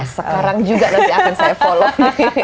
sekarang juga nanti akan saya follow